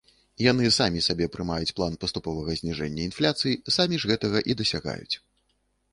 Яны самі сабе прымаюць план паступовага зніжэння інфляцыі, самі ж гэтага і дасягаюць.